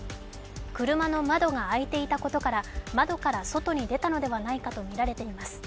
車の窓が開いていたてことから窓から外に出たのではないかとみられています。